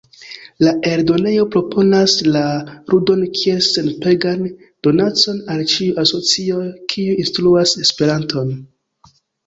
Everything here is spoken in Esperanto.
La eldonejo proponas la ludon kiel senpagan donacon al ĉiuj asocioj kiuj instruas Esperanton.